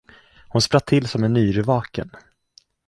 Hon spratt till som en yrvaken.